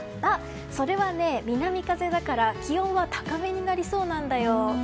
それはね、南風だから気温は高めになりそうなんだよ。